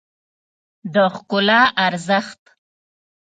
د ښکلا ارزښت